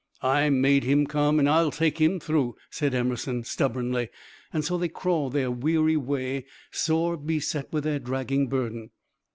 "I made him come, and I'll take him through," said Emerson, stubbornly; and so they crawled their weary way, sore beset with their dragging burden.